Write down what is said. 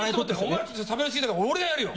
お前はちょっと喋りすぎだから俺がやるよ！